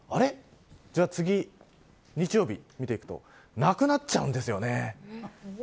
じゃあ、次、日曜日見ていくとなくなっちゃうんですよね。